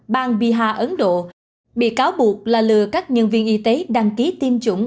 bang biha ấn độ bị cáo buộc là lừa các nhân viên y tế đăng ký tiêm chủng